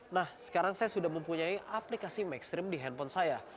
nah sekarang saya sudah mempunyai aplikasi mainstream di handphone saya